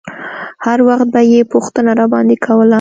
هر وخت به يې پوښتنه راباندې کوله.